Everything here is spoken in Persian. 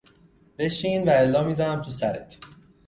بنشین والا میزنم تو سرت.